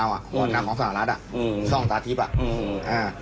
วันนาวของสหรัฐช่องตาทิพย์